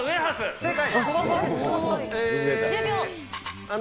正解！